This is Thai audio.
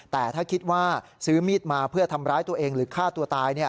แต่ถ้าคิดว่าซื้อมีดมาเพื่อทำร้ายตัวเองหรือฆ่าตัวตาย